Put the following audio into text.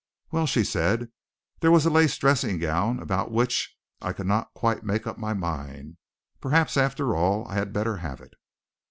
"Well," she said, "there was a lace dressing gown about which I could not quite make up my mind. Perhaps, after all, I had better have it."